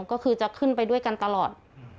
ก็คือจะขึ้นไปด้วยกันตลอด